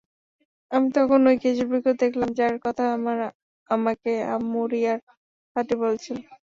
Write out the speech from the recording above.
আমি তখন ঐ খেজুর বৃক্ষ দেখলাম যার কথা আমাকে আম্মুরিয়ার পাদ্রী বলেছিল।